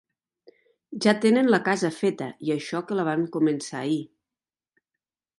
Ja tenen la casa feta, i això que la van començar ahir.